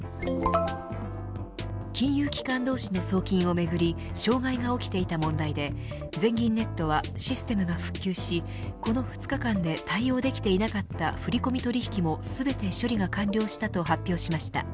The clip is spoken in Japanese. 金融機関同士の送金をめぐり障害が起きていた問題で全銀ネットはシステムが復旧しこの２日間で対応できていなかった振込取引も全て処理が完了したと発表しました。